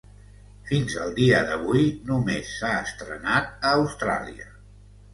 Fins al dia d'avui, només s'ha estrenat a Austràlia.